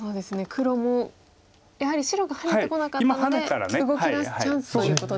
黒もやはり白がハネてこなかったので動きだすチャンスということで。